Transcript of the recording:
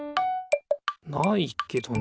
ないけどね。